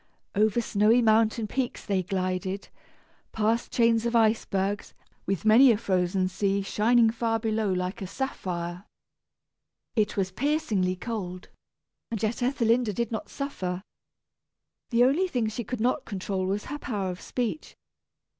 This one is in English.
Over snowy mountain peaks they glided, past chains of icebergs, with many a frozen sea shining far below like a sapphire. It was piercingly cold, and yet Ethelinda did not suffer. The only thing she could not control was her power of speech.